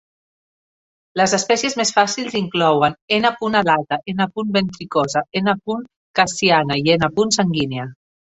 Les espècies més fàcils inclouen "N. alata", "N. ventricosa", "N. khasiana" i "N. sanguinea".